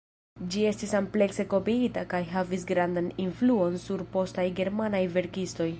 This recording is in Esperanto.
Ĝi estis amplekse kopiita kaj havis grandan influon sur postaj germanaj verkistoj.